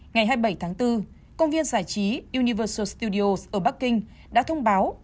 ngày hai mươi bảy tháng bốn công viên giải trí universal studios ở bắc kinh đã thông báo